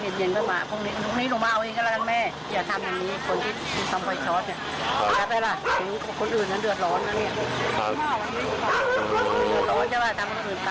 คนอื่นนั้นเดือดร้อนนะเนี่ยเดือดร้อนจะล่ะตามคนอื่นตายก็ไม่เคยว่า